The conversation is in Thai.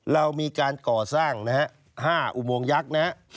เรามีการก่อสร้าง๕อุโมงยักษ์